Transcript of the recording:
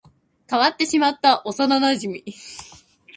変わってしまった幼馴染